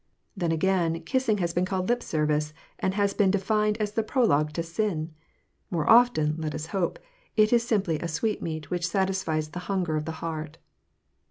Then again, kissing has been called lip service and has been defined as the prologue to sin; more often, let us hope, it is simply a sweetmeat which satisfies the hunger of the heart.